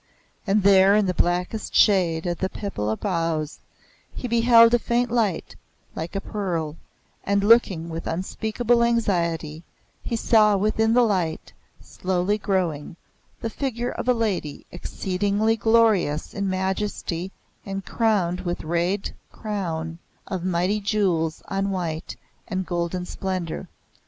And there, in the blackest shade of the pippala boughs, he beheld a faint light like a pearl; and looking with unspeakable anxiety, he saw within the light, slowly growing, the figure of a lady exceedingly glorious in majesty and crowned with a rayed crown of mighty jewels of white and golden splendour.